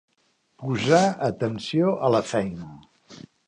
Posar atenció a la feina.